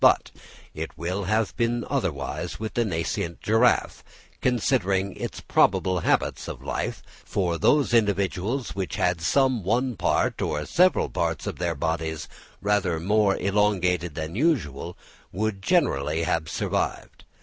But it will have been otherwise with the nascent giraffe, considering its probable habits of life; for those individuals which had some one part or several parts of their bodies rather more elongated than usual, would generally have survived.